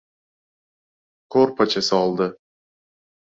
Ko‘rpacha soldi.